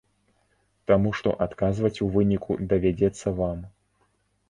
Таму што адказваць у выніку давядзецца вам.